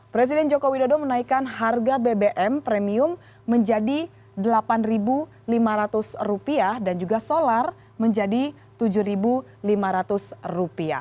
presiden joko widodo menaikkan harga bbm premium menjadi rp delapan lima ratus dan juga solar menjadi rp tujuh lima ratus